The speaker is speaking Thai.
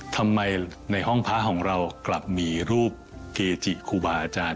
ทำไมในห้องพระของเรากลับมีรูปเกจิครูบาอาจารย์